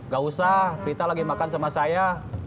gak usah rita lagi makan sama saya